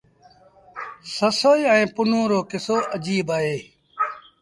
سسئيٚ ائيٚݩ پنهون رو ڪسو اجيب اهي۔